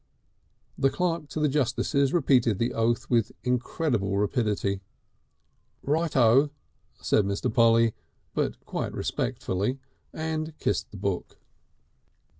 The clerk to the Justices repeated the oath with incredible rapidity. "Right O," said Mr. Polly, but quite respectfully, and kissed the book.